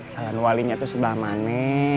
jalan walinya tuh sebelah mana